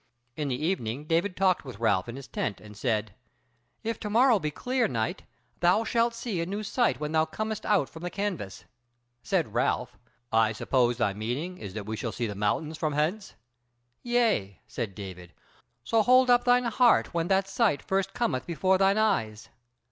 In the evening David talked with Ralph in his tent, and said: "If to morrow be clear, knight, thou shalt see a new sight when thou comest out from the canvas." Said Ralph: "I suppose thy meaning is that we shall see the mountains from hence?" "Yea," said David; "so hold up thine heart when that sight first cometh before thine eyes.